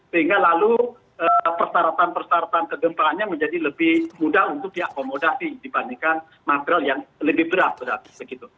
sehingga lalu persyaratan persyaratan kegempaannya menjadi lebih mudah untuk diakomodasi dibandingkan material yang lebih berat berarti